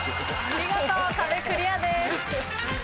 見事壁クリアです。